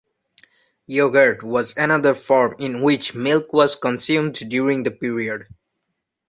Yogurt (curd) was another form in which milk was consumed during the period.